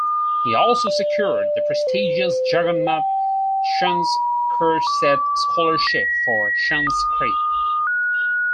He also secured the prestigious Jagannath Shankersheth Scholarship for Sanskrit.